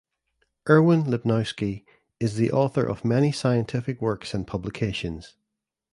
Irwin Lipnowski is the author of many scientific works and publications.